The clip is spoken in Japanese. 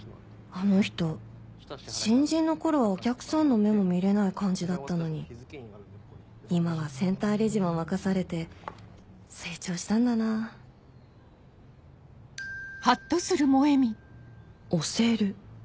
あの人新人の頃はお客さんの目も見れない感じだったのに今はセンターレジも任されて成長したんだなぁ推せる！